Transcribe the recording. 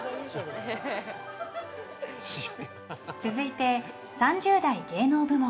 続いて３０代芸能部門